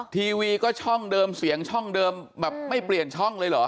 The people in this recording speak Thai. ทีวีก็ช่องเดิมเสียงช่องเดิมแบบไม่เปลี่ยนช่องเลยเหรอ